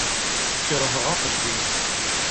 Keṛheɣ axeddim.